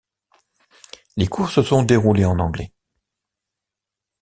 Les cours se sont déroulés en anglais.